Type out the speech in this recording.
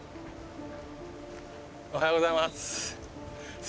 おはようございます。